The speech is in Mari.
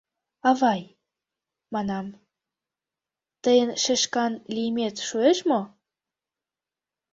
— Авай, — манам, — тыйын шешкан лиймет шуэш мо?